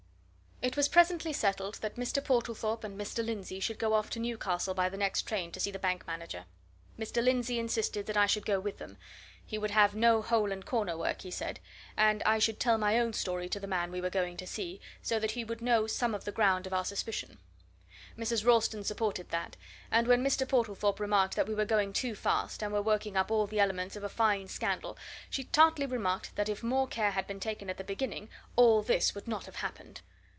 It was presently settled that Mr. Portlethorpe and Mr. Lindsey should go off to Newcastle by the next train to see the bank manager. Mr. Lindsey insisted that I should go with them he would have no hole and corner work, he said, and I should tell my own story to the man we were going to see, so that he would know some of the ground of our suspicion. Mrs. Ralston supported that; and when Mr. Portlethorpe remarked that we were going too fast, and were working up all the elements of a fine scandal, she tartly remarked that if more care had been taken at the beginning, all this would not have happened.